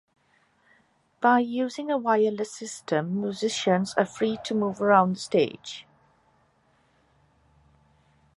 By using a wireless system, musicians are free to move around the stage.